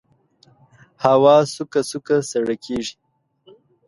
هوا سوکه سوکه سړه کېږي